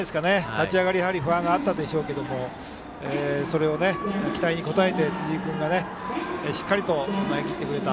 立ち上がり不安があったでしょうけども期待に応えて、辻井君が投げきってくれた。